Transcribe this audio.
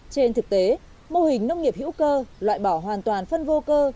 trên thực tế mô hình nông nghiệp hữu cơ loại bỏ hoàn toàn phân vô cơ